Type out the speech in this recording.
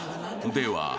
［では］